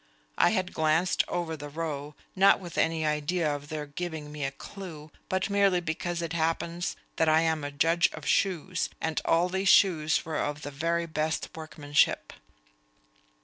I had glanced over the row, not with any idea of their giving me a clue, but merely because it happens that I am a judge of shoes, and all these shoes were of the very best workmanship.